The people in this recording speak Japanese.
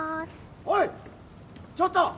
おいちょっと！